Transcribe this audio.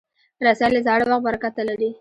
رسۍ له زاړه وخت برکته لري.